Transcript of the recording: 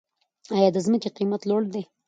آیا د ځمکې قیمت لوړ دی؟